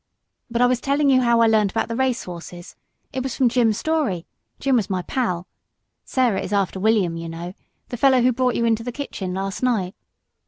But I was telling you how I learnt about the race horses. It was from Jim Story Jim was my pal Sarah is after William, you know, the fellow who brought you into the kitchen last night.